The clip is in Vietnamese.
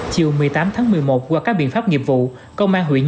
chiều một mươi tám tháng một mươi một qua các biện pháp nghiệp vụ